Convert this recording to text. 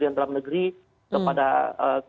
disampaikan oleh kementerian dalam negeri